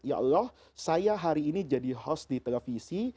ya allah saya hari ini jadi host di televisi